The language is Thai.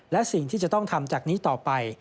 และสิ่งที่จะต้องทำจากนี้ต่อไป